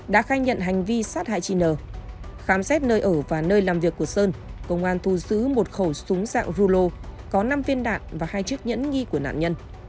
đã khai nhận hành vi sát hại chị n khám xét nơi ở và nơi làm việc của sơn công an thu giữ một khẩu súng dạng rulo có năm viên đạn và hai chiếc nhẫn nghi của nạn nhân